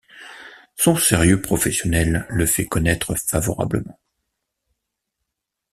Son sérieux professionnel le fait connaître favorablement.